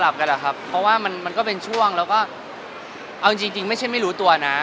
เพราะว่ามันก็เป็นช่วงแล้วก็เอาจริงไม่ใช่ไม่รู้ตัวนะ